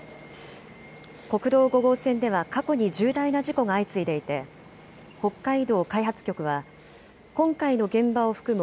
国道５号線では過去に重大な事故が相次いでいて北海道開発局は今回の現場を含む